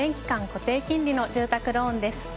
固定金利の住宅ローンです。